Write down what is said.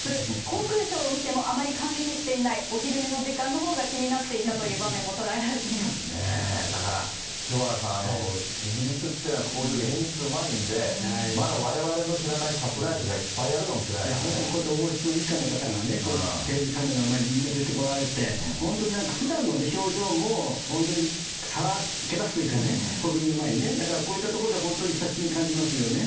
航空ショーを見てもあまり感激していない、お昼寝の時間のほうが気になっていたという場面も捉えられていまねぇ、だから清原さん、イギリスっていうのはこういう演出うまいんで、まだわれわれの知らないサプライズがいっぱいあるかもしれないで本当、こうやって王室一家の方がね、こうやってテレビカメラの前でみんなで出てこられて、ふだんの表情も、本当にさらけ出すというかね、国民の前にね、だからこういったところで本当に親しみ感じますよね。